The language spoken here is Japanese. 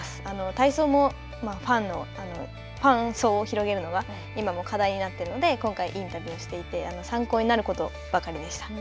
体操もファンの、ファン層を広げるのが今も課題になっているので、今回、インタビューをしていて、参考になることばかりでした。